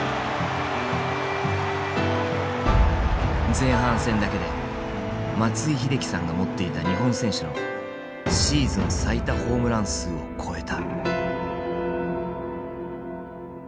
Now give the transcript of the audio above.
前半戦だけで松井秀喜さんが持っていた日本選手のシーズン最多ホームラン数を超えた。